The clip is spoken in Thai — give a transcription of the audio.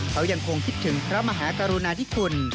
เขายังคงคิดถึงพระมหากรุณาธิคุณ